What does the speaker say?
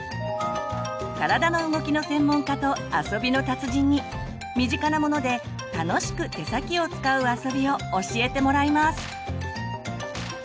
体の動きの専門家と遊びの達人に身近なもので楽しく手先を使う遊びを教えてもらいます！